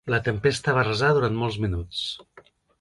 La tempesta va arrasar durant molts minuts.